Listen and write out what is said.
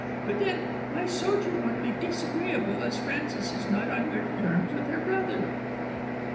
But then, my sojourn would be disagreeable, as Frances is not on good terms with her brother."